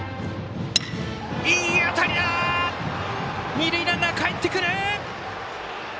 二塁ランナー、かえってくる。